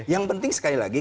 yang penting sekali lagi